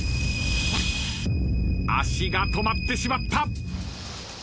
足が止まってしまった。